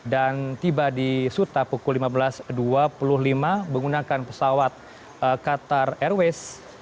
dan tiba di suta pukul lima belas dua puluh lima menggunakan pesawat qatar airways